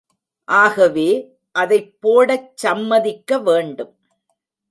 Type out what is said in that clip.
ஆகவே அதைப் போடச் சம்மதிக்க வேண்டும்.